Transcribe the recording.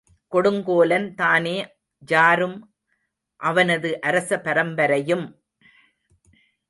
கொடுங்கோலன் தானே ஜாரும் அவனது அரச பரம்பரையும்?